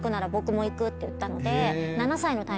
て言ったので。